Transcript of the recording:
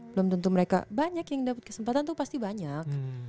belum tentu mereka banyak yang dapat kesempatan itu pasti banyak